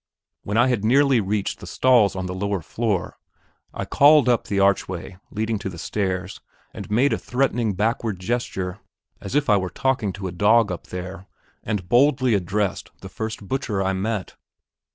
When I had nearly reached the stalls on the lower floor, I called up the archway leading to the stairs, and made a threatening backward gesture, as if I were talking to a dog up there, and boldly addressed the first butcher I met.